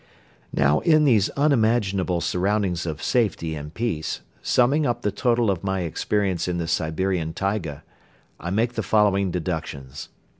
Now in these unimaginable surroundings of safety and peace, summing up the total of my experience in the Siberian taiga, I make the following deductions.